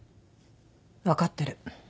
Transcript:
分かってる。